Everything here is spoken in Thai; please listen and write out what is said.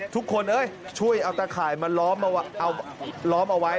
ทุกคนช่วยเอาตาข่ายมาล้อมเอาไว้